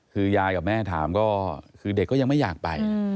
คือยายกับแม่ถามก็คือเด็กก็ยังไม่อยากไป